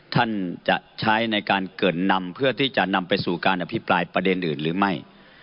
ท่านจะใช้ในการเกิดนำเพื่อที่จะนำไปสู่การอภิปรายประเด็นอื่นหรือไม่